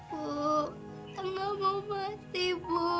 bu tembak mau mati bu